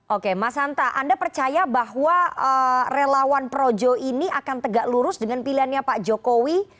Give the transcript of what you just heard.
oke mas hanta anda percaya bahwa relawan projo ini akan tegak lurus dengan pilihannya pak jokowi